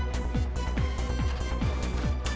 gua ngerjain dia